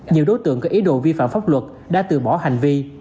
nhiều đối tượng có ý đồ vi phạm pháp luật đã từ bỏ hành vi